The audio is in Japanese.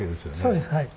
そうですはい。